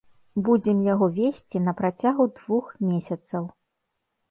Будзем яго весці на працягу двух месяцаў.